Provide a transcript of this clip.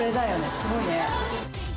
すごいね。